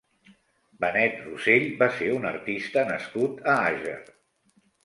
Benet Rossell va ser un artista nascut a Àger.